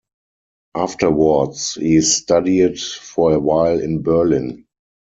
Afterwards, he studied for a while in Berlin.